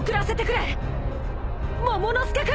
モモの助君！